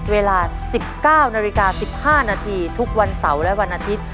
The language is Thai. เวลา๑๙นาฬิกา๑๕นาทีทุกวันเสาร์และวันอาทิตย์